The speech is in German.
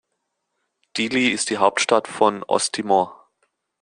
Dili ist die Hauptstadt von Osttimor.